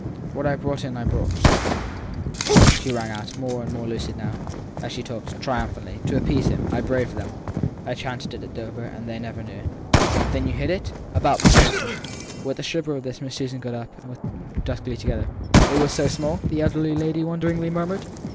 What I brought in I brought she rang out, more and more lucid, now, as she talked ( triumphantly. To appease him I braved them. I chanced it, at Dover, and they never knew. < Then you hid it ? About my person. With the shiver of this Miss Susan got up, and they stood there duskily together. e It was so small ? the elder lady won deringly murmured.